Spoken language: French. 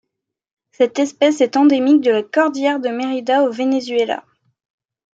Cette espèce est endémique de la cordillère de Mérida au Venezuela.